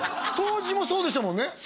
当時もそうでしたもんね